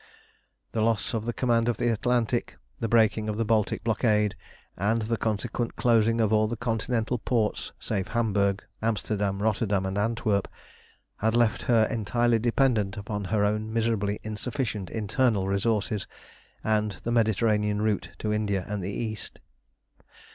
The loss of the command of the Atlantic, the breaking of the Baltic blockade, and the consequent closing of all the continental ports save Hamburg, Amsterdam, Rotterdam, and Antwerp, had left her entirely dependent upon her own miserably insufficient internal resources and the Mediterranean route to India and the East.